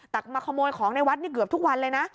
แต่มาขโมยของในวัดนี่เกือบทุกวันเลยนะ